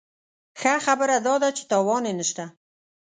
ښه خبره داده چې تاوان یې نه شته.